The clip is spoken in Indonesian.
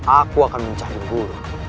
aku akan mencari guru